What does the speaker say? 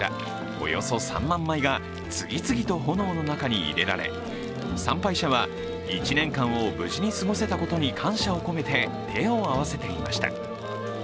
およそ３万枚が次々と炎の中に入れられ参拝者は、１年間を無事に過ごせたことに感謝を込めて手を合わせていました。